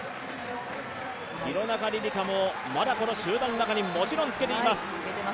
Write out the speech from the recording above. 廣中璃梨佳も、まだこの集団の中にもちろんつけています。